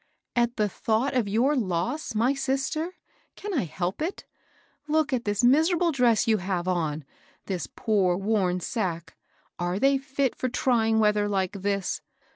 " At the thought of your loss, my sister, can X help it ? Look at this mis^iiable dress you have on, — this poor worn sack, ^ are they fit for trying weather like this?